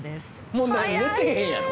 もう何なら寝てへんやろ？